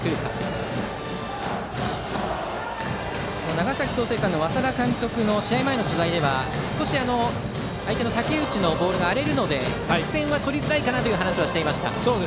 長崎・創成館の稙田監督の試合前の話では少し、相手の武内のボールが荒れるので作戦は取りづらいかなという話はしていました。